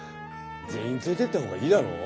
全員連れていった方がいいだろう？